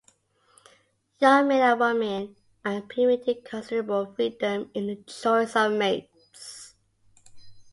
Young men and women are permitted considerable freedom in the choice of mates.